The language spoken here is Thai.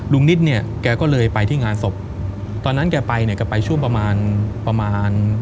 นิดเนี่ยแกก็เลยไปที่งานศพตอนนั้นแกไปเนี่ยแกไปช่วงประมาณประมาณ